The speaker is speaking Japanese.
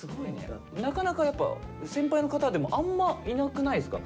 なかなかやっぱ先輩の方でもあんまいなくないですか？